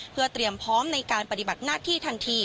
เพื่อเตรียมพร้อมในการปฏิบัติหน้าที่ทันที